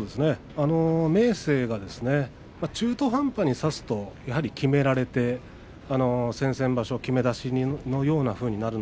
明生が中途半端に差すときめられて先々場所、きめ出しのような形になる。